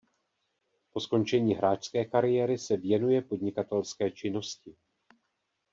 Po skončení hráčské kariéry se věnuje podnikatelské činnosti.